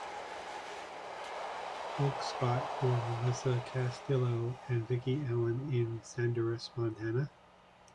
book spot for melisa castillo and vicky allen in Sadorus Montana